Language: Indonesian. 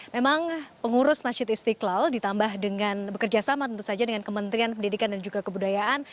memang pengurus masjid istiqlal ditambah dengan bekerja sama tentu saja dengan kementerian pendidikan dan juga kebudayaan